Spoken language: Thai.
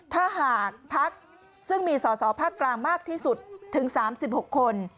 ถ้าหากพักซึ่งมีสอสอภาคกลางมากที่สุดถึง๓๖คน